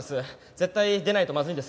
絶対出ないとまずいんです。